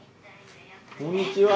こんにちは。